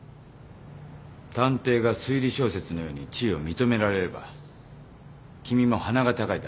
探偵が推理小説のように地位を認められれば君も鼻が高いだろう。